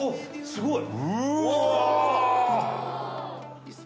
すごい！